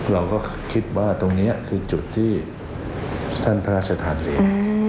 เราก็คิดว่าตรงนี้คือจุดที่ท่านพระศาสตร์เลียน